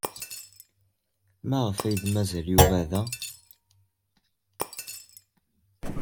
Maɣef ay d-mazal Yuba da?